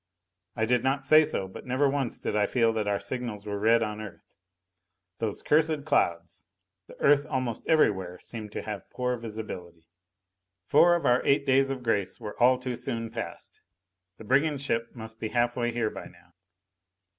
I did not say so, but never once did I feel that our signals were read on Earth. Those cursed clouds! The Earth almost everywhere seemed to have poor visibility. Four of our eight days of grace were all too soon passed. The brigand ship must be half way here by now.